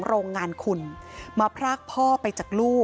พอเห็นข้อความนี้คนสงสัยเยอะมากว่าเกิดอะไรขึ้นกับคุณพ่อ